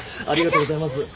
ありがとうございます。